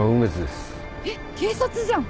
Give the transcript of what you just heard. えっ警察じゃん。